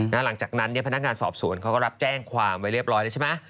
หลังจากนั้นพนักงานสอบสวนเขาก็รับแจ้งความไว้เรียบร้อยแล้วใช่ไหม